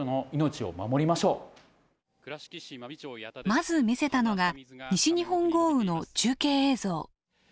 まず見せたのが西日本豪雨の中継映像。